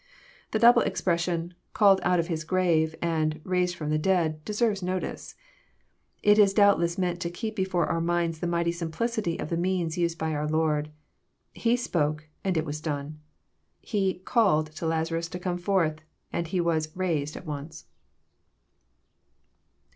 The double expression, " called out of his grave," and raised from the dead," deserves notice. It is doubtless meant to keep before our minds the mighty simplicity of the means used by our Lord. He spoke, and it was done. He '* called " to Laza* rus to come forth, and he was *' raised " at once.